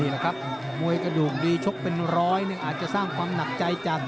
แหละครับมวยกระดูกดีชกเป็นร้อยหนึ่งอาจจะสร้างความหนักใจจาก